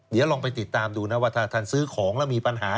เดี๋ยวลองไปติดตามดูนะว่าถ้าท่านซื้อของแล้วมีปัญหา